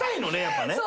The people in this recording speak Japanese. やっぱね。